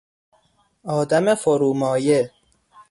آدم فرومایه